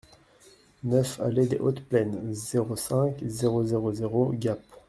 neuf allée Dès Hautes Plaines, zéro cinq, zéro zéro zéro, Gap